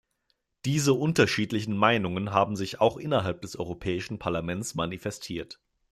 Diese unterschiedlichen Meinungen haben sich auch innerhalb des Europäischen Parlaments manifestiert.